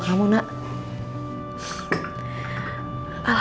maka mika diterima